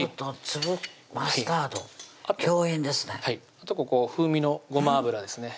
あとここ風味のごま油ですね